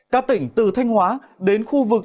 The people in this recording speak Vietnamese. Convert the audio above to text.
các tỉnh từ thanh hóa đến khu vực thành hóa